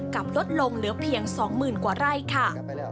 กลับลดลงเหลือเพียง๒๐๐๐กว่าไร่ค่ะ